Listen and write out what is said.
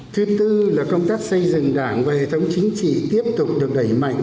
thứ tư là công tác xây dựng đảng và hệ thống chính trị tiếp tục được đẩy mạnh